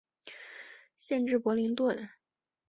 县治伯灵顿。